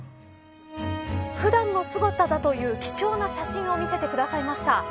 普段の姿だという貴重な写真を見せてくださいました。